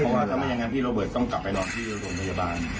เพราะว่าถ้าไม่อย่างนั้นพี่โรเบิร์ตต้องกลับไปนอนที่โรงพยาบาล